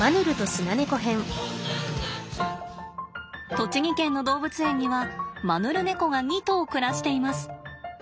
栃木県の動物園にはマヌルネコが２頭暮らしています。